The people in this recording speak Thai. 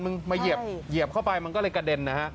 มึงมาเหยียบเหยียบเข้าไปมันก็เลยกระเด็นนะฮะ